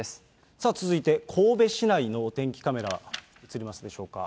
さあ続いて、神戸市内のお天気カメラ、映りますでしょうか。